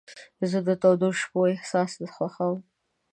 زه د تودو شپو احساس خوښوم.